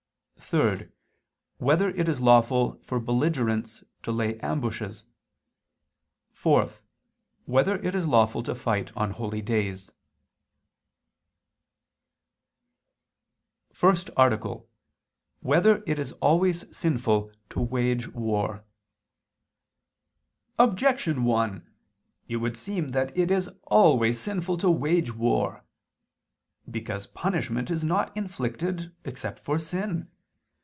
(3) Whether it is lawful for belligerents to lay ambushes? (4) Whether it is lawful to fight on holy days? _______________________ FIRST ARTICLE [II II, Q. 40, Art. 1] Whether It Is Always Sinful to Wage War? Objection 1: It would seem that it is always sinful to wage war. Because punishment is not inflicted except for sin.